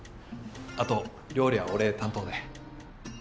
あと料理は俺担当で。